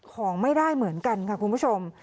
ของไม่ได้เหมือนกันค่ะคุณผู้ชม